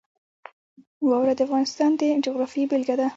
واوره د افغانستان د جغرافیې بېلګه ده.